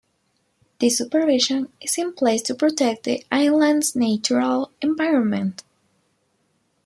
This supervision is in place to protect the island's natural environment.